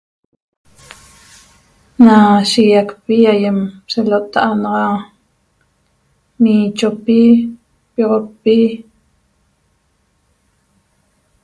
Na shiguiacpi aýem selota'a naxa miichopi pioxodpi